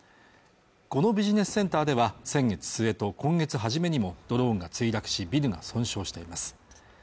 このビジネスセンターでは先月末と今月初めにもドローンが墜落しビルの損傷しています